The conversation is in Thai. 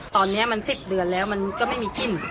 ตอนนี้มัน๑๐เดือนแล้วมันก็ไม่มีกิน